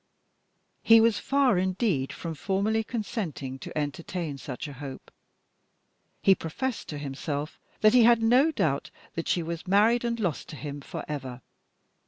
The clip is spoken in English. He was far, indeed, from formally consenting to entertain such a hope. He professed to himself that he had no doubt that she was married and lost to him for ever.